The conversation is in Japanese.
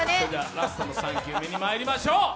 ラストの３球目にまいりましょう。